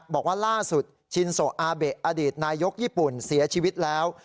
บอกว่าล่าสุดชินโซอาเบะอดีตนายกญี่ปุ่นเสียชีวิตแล้ว